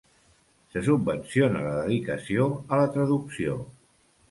Se subvenciona la dedicació a la traducció.